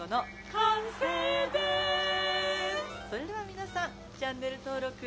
完成ですそれでは皆さんチャンネル登録。